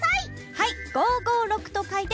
はい！